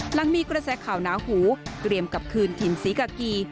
หลังมีกระแสข่าวหนาหูเตรียมกลับคืนถิ่นศรีกากี